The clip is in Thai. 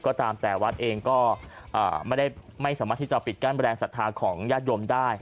ก็ตามแต่วัดเองก็อ่าไม่ได้ไม่สามารถที่จะปิดการแบรนด์ศรัทธาของญาติโยมได้